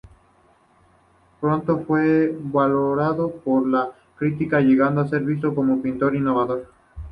Pronto fue valorado por la crítica llegando a ser visto como un pintor innovador.